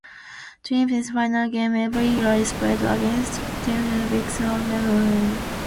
Trinity's final game every year is played against Trinity's biggest rival, Wesleyan University.